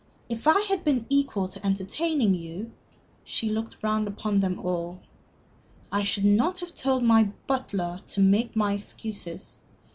If I had been equal to entertaining you" she looked round upon them all "I should not have told my butler to make my excuses.